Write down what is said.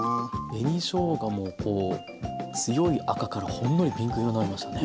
紅しょうがもこう強い赤からほんのりピンク色になりましたね。